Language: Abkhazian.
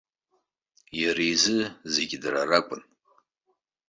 Иара изы зегьы дара ракәын.